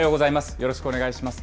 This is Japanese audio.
よろしくお願いします。